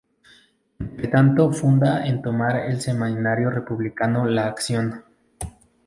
Entre tanto, funda en Tomar el semanario republicano "La Acción".